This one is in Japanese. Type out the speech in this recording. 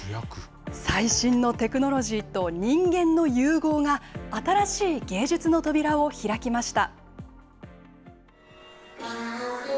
最新のテクノロジーと人間の融合が、新しい芸術の扉を開きました。